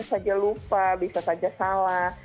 saja lupa bisa saja salah